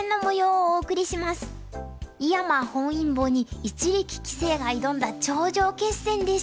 井山本因坊に一力棋聖が挑んだ頂上決戦でした。